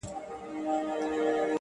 زه به غمو ته شاعري كومه ـ